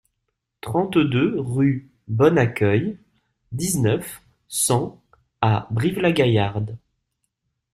trente-deux rue Bon Accueil, dix-neuf, cent à Brive-la-Gaillarde